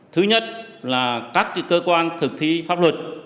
thứ nhất là các cơ quan thực thi pháp luật